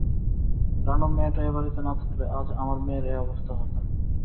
রানু মেয়েটা এ-বাড়িতে না থাকলে, আজ আমার মেয়ের এ-অবস্থা হত না।